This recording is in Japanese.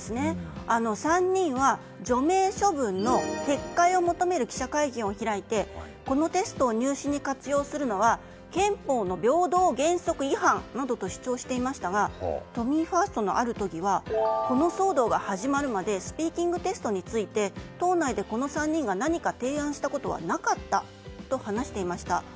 ３人は除名処分の撤回を求める記者会見を開いてこのテストを入試に活用するのは憲法の平等原則違反などと主張していましたが都民ファーストのある都議はこの騒動が始まるまでスピーキングテストについて党内で、この３人が何か提案したことはなかったと話していました。